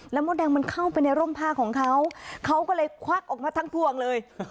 มดแดงมันเข้าไปในร่มผ้าของเขาเขาก็เลยควักออกมาทั้งพวงเลย